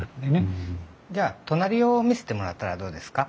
じゃあ隣を見してもらったらどうですか？